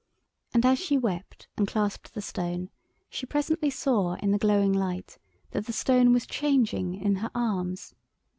And as she wept and clasped the stone she presently saw in the glowing light that the stone was changing in her arms.